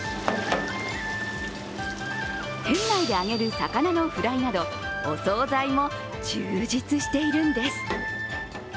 店内で揚げる魚のフライなどお総菜も充実しているんです。